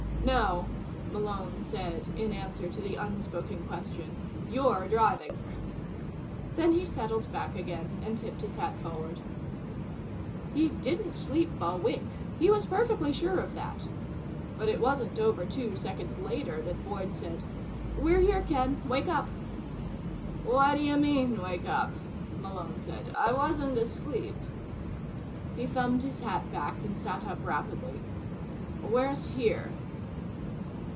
"No," Malone said in answer to the unspoken question. "You're driving." Then he settled back again and tipped his hat forward. He didn't sleep a wink. He was perfectly sure of that. But it wasn't over two seconds later that Boyd said: "We're here, Ken. Wake up." "Whadyamean, wakeup," Malone said. "I wasn't asleep." He thumbed his hat back and sat up rapidly. "Where's 'here?'"